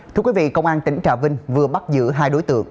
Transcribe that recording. thưa quý vị công an tỉnh trà vinh vừa bắt giữ hai đối tượng